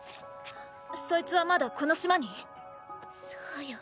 そいつはまだこの島に⁉そうよ！